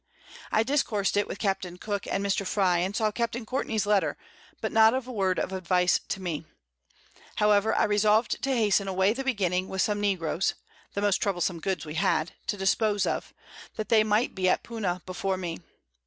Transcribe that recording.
I discours'd it with Capt. Cooke and Mr. Frye, and saw Capt. Courtney's Letter, but not a Word of Advice to me: However, I resolved to hasten away the Beginning, with some Negroes (the most troublesome Goods we had) to dispose of, that they might be at Puna before me.